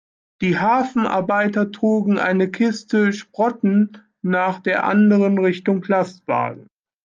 Die Hafenarbeiter trugen eine Kiste Sprotten nach der anderen Richtung Lastwagen.